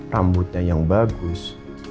rambutnya yang bagus